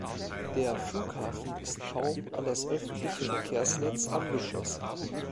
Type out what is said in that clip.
Der Flughafen ist kaum an das öffentliche Verkehrsnetz angeschlossen.